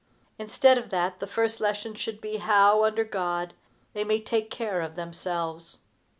Instead of that, the first lesson should be, how, under God, they may take care of themselves.